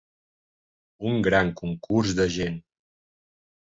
Un gran concurs de gent.